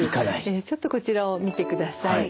ちょっとこちらを見てください。